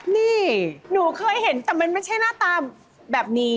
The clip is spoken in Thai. นี่หนูเคยเห็นแต่มันไม่ใช่หน้าตาแบบนี้